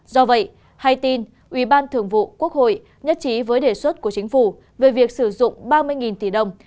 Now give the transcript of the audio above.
do vậy hay tin ủy ban thường vụ quốc hội nhất trí với đề xuất của chính phủ về việc sử dụng ba mươi tỷ đồng